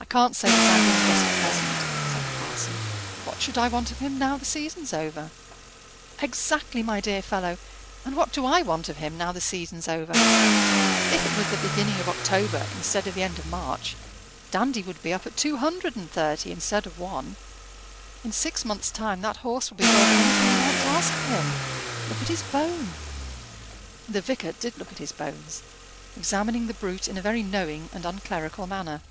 "I can't say that I will just at present," said the parson. "What should I want of him now the season's over?" "Exactly, my dear fellow; and what do I want of him now the season's over? If it were the beginning of October instead of the end of March, Dandy would be up at two hundred and thirty instead of one: in six months' time that horse will be worth anything you like to ask for him. Look at his bone." The vicar did look at his bones, examining the brute in a very knowing and unclerical manner.